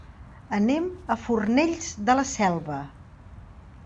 Anem a Fornells de la Selva.